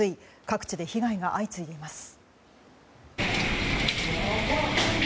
各地で被害が相次いでいます。